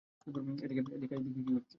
এদিকে আয়, দেখি কী করেছে?